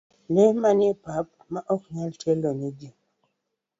Lee manyap ma ok nyal telo ne ji.